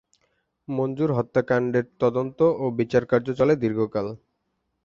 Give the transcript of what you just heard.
মঞ্জুর হত্যাকাণ্ডের তদন্ত ও বিচারকার্য চলে দীর্ঘ কাল।